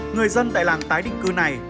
người dân tại làng tái định cư này